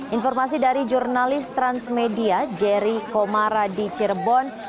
informasi dari jurnalis transmedia jerry komara di cirebon